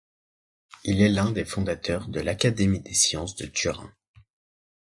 Il est l'un des fondateurs de l'Académie des Sciences de Turin.